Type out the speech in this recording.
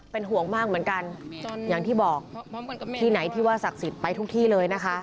เป็นห่วงมากเหมือนกันอย่างที่บอกที่ไหนที่ว่าศักดิ์สิทธิ์ไปทุกที่เลยนะคะ